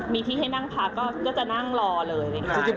มีที่ให้นั่งพักก็จะนั่งรอเลยไหมคะ